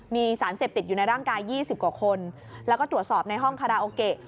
มีสารเสพติดอยู่ในร่างกาย๒๐กว่าคนแล้วก็ตรวจสอบในห้องคาราโอเกะ